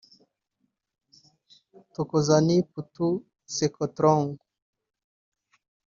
Thokozani Putu Sekotlong